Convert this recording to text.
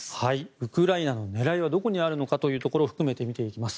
ウクライナの狙いはどこにあるのかというところを含めて見ていきます。